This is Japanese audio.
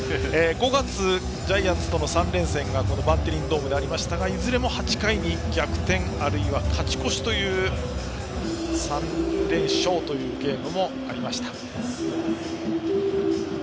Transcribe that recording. ５月、ジャイアンツとの３連戦がこのバンテリンドームでありましたがいずれも、この８回に逆転あるいは勝ち越しという３連勝というゲームもありました。